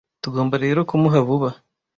tugomba rero kumuha vuba